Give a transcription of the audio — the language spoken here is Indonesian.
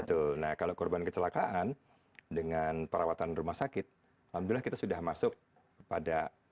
betul nah kalau korban kecelakaan dengan perawatan rumah sakit alhamdulillah kita sudah masuk pada